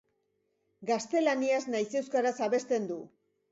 Gaztelaniaz nahiz euskaraz abesten du.